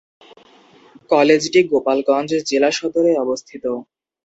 কলেজটি গোপালগঞ্জ জেলা সদরে অবস্থিত।